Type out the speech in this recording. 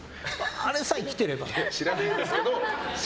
あれさえ来てれば。